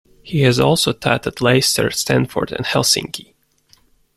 He has also taught at Leicester, Stanford, and Helsinki.